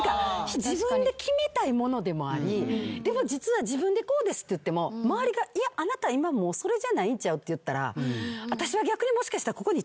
自分で決めたいものでもありでも実は自分でこうですって言っても周りが「いやあなた今もうそれじゃないんちゃう」って言ったら私は逆にもしかしたらここに。